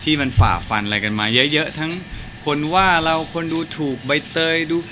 ที่มันฝ่าฟันอะไรกันมาเยอะทั้งคนว่าเราคนดูถูกใบเตยดู